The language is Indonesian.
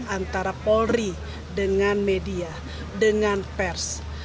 antara polri dengan media dengan pers